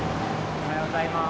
おはようございます。